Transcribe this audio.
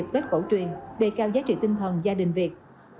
các giỏ quà tết cổ truyền đầy cao giá trị tinh thần gia đình việt